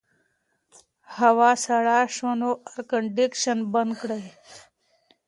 هوا سړه شوه نو اېرکنډیشن بند کړه.